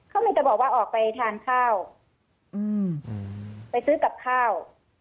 เขามีแต่บอกว่าออกไปทานข้าวไปซื้อกับข้าว